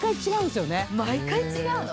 毎回違うの。